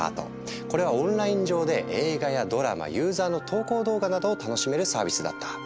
これはオンライン上で映画やドラマユーザーの投稿動画などを楽しめるサービスだった。